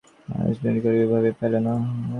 মৃত্যুঞ্জয় কী করিবে ভাবিয়া পাইল না।